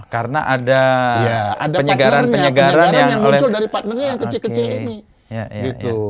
karena ada penyegaran penyegaran yang muncul dari partnernya yang kecil kecil ini